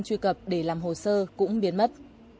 truy cập để làm hồ sơ cũng biến mất